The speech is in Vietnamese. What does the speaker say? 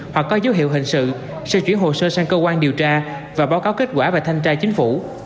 với dấu hiệu hình sự sẽ chuyển hồ sơ sang cơ quan điều tra và báo cáo kết quả và thanh tra chính phủ